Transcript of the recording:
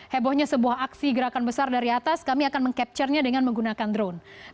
hebohnya sebuah aksi gerakan besar dari atas kami akan mengcapture nya dengan menggunakan drone